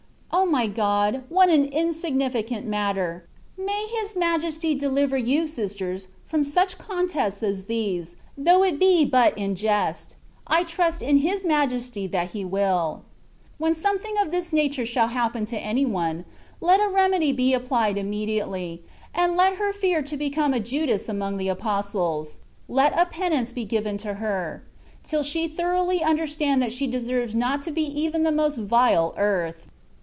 O my God ! what an insignificaDt matter ! May His Maje^ deliver you, sisters, from such con tests as these, though it be hut in jest : I trust in His Majesty that He wilL When something of this nature shall happen to any one, let a remedy be applied immediately, and Id; her fear to become a Judas among the apostles; let a penance be given to her, till she thoroughly understand that she deserves not to he even the most vile earth.